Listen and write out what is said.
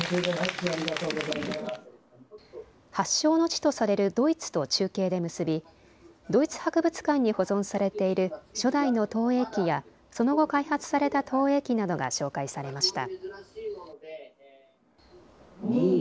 発祥の地とされるドイツと中継で結び、ドイツ博物館に保存されている初代の投影機やその後、開発された投影機などが紹介されました。